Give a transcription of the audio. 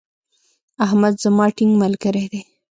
احمد زما ټينګ ملګری دی.